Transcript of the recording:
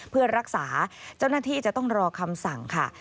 เพื่อรักษาเจ้าหน้าที่จะต้องรอคำสั่งค่ะ